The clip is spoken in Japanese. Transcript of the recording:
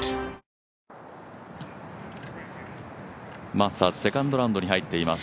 マスターズセカンドラウンドに入っています。